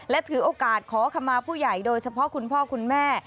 และถือโอกาสขอขมาผู้ใหญ่โดยเฉพาะคุณพ่อคุณแม่